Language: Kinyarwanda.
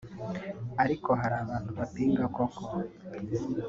Ariko hari abantu bapinga koko